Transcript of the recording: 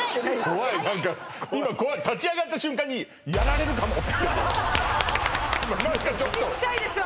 怖い何か今怖い立ち上がった瞬間に何かちょっとちっちゃいですよ